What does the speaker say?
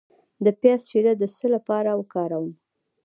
د پیاز شیره د څه لپاره وکاروم؟